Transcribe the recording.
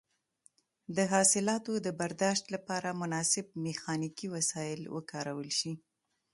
د حاصلاتو د برداشت لپاره مناسب میخانیکي وسایل وکارول شي.